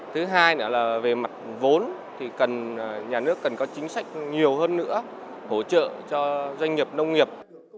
thứ hai nữa là về mặt vốn thì nhà nước cần có chính sách nhiều hơn nữa hỗ trợ cho doanh nghiệp nông nghiệp